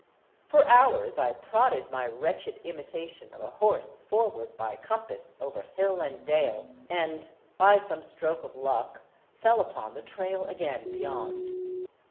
For hours I prodded my wretched imitation of a horse for ward by compass over hill and dale, and by some stroke of luck fell upon the trail again beyond.